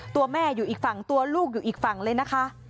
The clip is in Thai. ตัวแม่อยู่อีกฝั่งตัวลูกอยู่อีกฝั่งเลยนะคะ